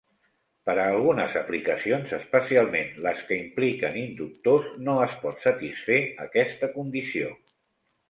Per a algunes aplicacions, especialment les que impliquen inductors, no es pot satisfer aquesta condició.